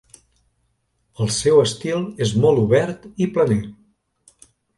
El seu estil és molt obert i planer.